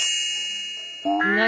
何？